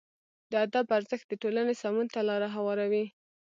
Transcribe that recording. د ادب ارزښت د ټولنې سمون ته لاره هواروي.